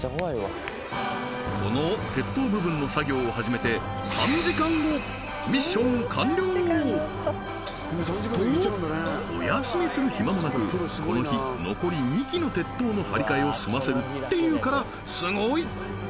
この鉄塔部分の作業を始めて３時間後ミッション完了！とお休みする暇もなくこの日残り２基の鉄塔の張り替えを済ませるっていうからすごい！